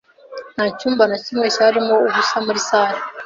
Nta cyumba na kimwe cyarimo ubusa muri salle